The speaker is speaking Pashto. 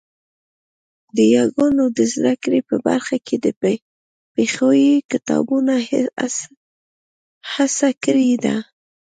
د یاګانو د زده کړې په برخه کې د پښويې کتابونو هڅه کړې ده